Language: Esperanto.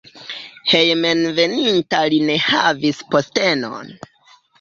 Hejmenveninta li ne havis postenon.